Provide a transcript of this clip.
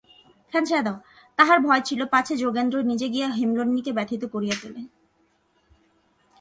তাঁহার ভয় ছিল, পাছে যোগেন্দ্র নিজে গিয়া হেমনলিনীকে ব্যথিত করিয়া তোলে।